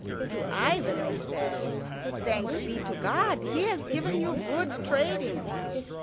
To Ivan they said, "Thanks be to God, He has given you good trading."